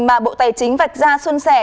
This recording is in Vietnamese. mà bộ tài chính vạch ra xuân xẻ